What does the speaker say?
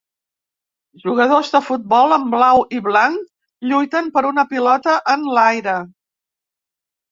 Jugadors de futbol en blau i blanc lluiten per una pilota en l'aire.